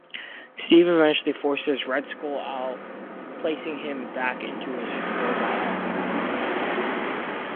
Steve eventually forces Red Skull out, placing him back into his robot body.